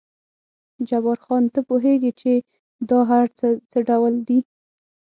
جبار خان، ته پوهېږې چې دا هر څه څه ډول دي؟